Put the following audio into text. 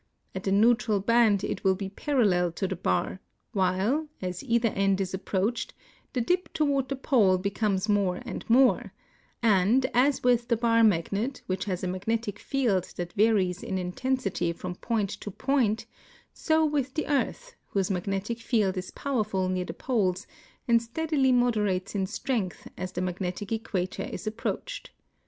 At the neutral band it will be parallel to the bar, while, as either end is approached, the dip toward the Pole becomes more and more ; and as with the bar magnet, which has a magnetic field that varies in inten sity from point to point, so with the earth, whose magnetic field is powerful near the Poles and steadily moderates in strength as the magnetic equator is approached.